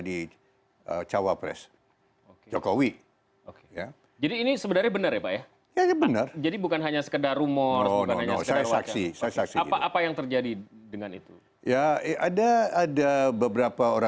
dia mungkin mungkin vulgar